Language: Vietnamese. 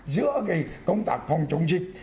giữa công tác phòng chống dịch